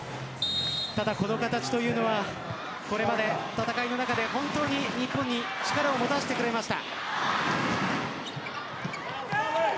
ただこの形というのはこれまでの戦いの中で本当に日本に力をもたらせてくれました。